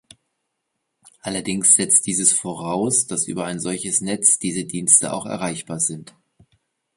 Allerdings setzt dieses voraus, dass über ein solches Netz diese Dienste auch erreichbar sind.